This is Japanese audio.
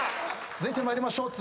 続いて参りましょう。